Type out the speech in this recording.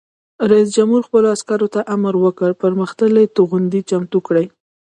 رئیس جمهور خپلو عسکرو ته امر وکړ؛ پرمختللي توغندي چمتو کړئ!